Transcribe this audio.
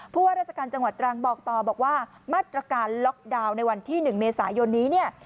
ว่าราชการจังหวัดตรังบอกต่อบอกว่ามาตรการล็อกดาวน์ในวันที่๑เมษายนนี้เนี่ย